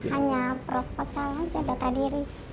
hanya proposal aja data diri